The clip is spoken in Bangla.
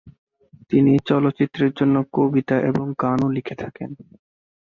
তিনি চলচ্চিত্রের জন্য কবিতা এবং গানও লিখে থাকেন।